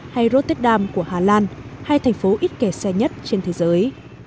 hay rotterdam của hà lan hay thành phố ít kẻ xe nhất trên thế giới